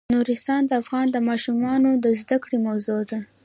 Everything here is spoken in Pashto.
نورستان د افغان ماشومانو د زده کړې موضوع ده.